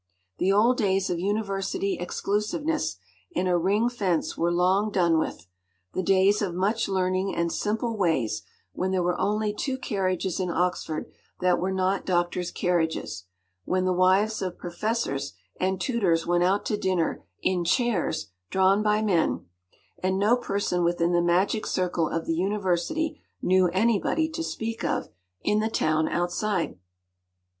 The old days of University exclusiveness in a ring fence were long done with; the days of much learning and simple ways, when there were only two carriages in Oxford that were not doctors’ carriages, when the wives of professors and tutors went out to dinner in “chairs” drawn by men, and no person within the magic circle of the University knew anybody—to speak of—in the town outside.